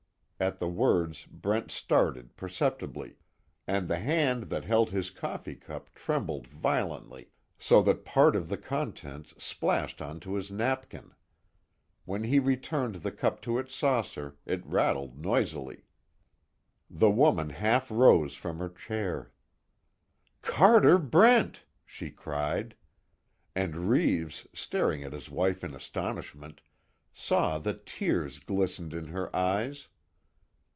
At the words Brent started perceptibly, and the hand that held his coffee cup trembled violently so that part of the contents splashed onto his napkin. When he returned the cup to its saucer it rattled noisily. The woman half rose from her chair: "Carter Brent!" she cried. And Reeves, staring at his wife in astonishment, saw that tears glistened in her eyes.